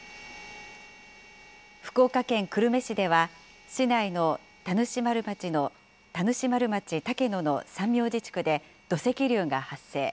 福岡県久留米市では、市内の田主丸町竹野の三明寺地区で土石流が発生。